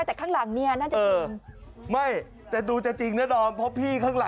ทางหลังเพราะดูตกใจเฮ้ยอายไปไหนวะอายไปไหนวะ